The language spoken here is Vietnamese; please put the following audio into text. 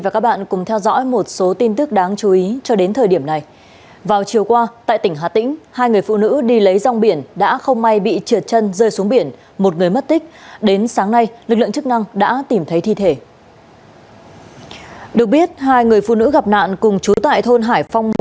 cảm ơn các bạn đã theo dõi